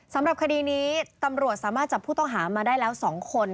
สำหรับคดีนี้ตำรวจสามารถจับผู้ต้องหามาได้แล้ว๒คน